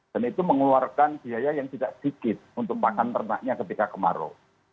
dan itu mengeluarkan biaya yang tidak sedikit untuk pakan ternaknya ketika kemarau